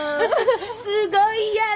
すごいやろ！